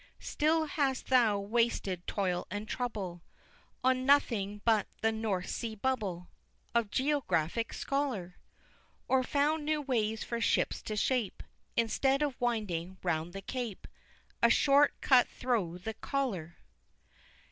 III. Still hast thou wasted toil and trouble On nothing but the North Sea Bubble Of geographic scholar? Or found new ways for ships to shape, Instead of winding round the Cape, A short cut thro' the collar?